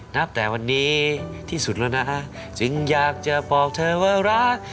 นับแต่วันนี้ที่สุดแล้วนะจึงอยากจะบอกเธอว่ารัก